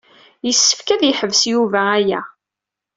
Yessefk ad yeḥbes Yuba aya.